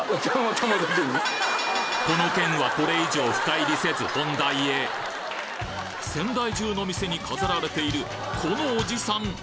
この件はこれ以上深入りせず本題へ仙台中の店に飾られているこのおじさん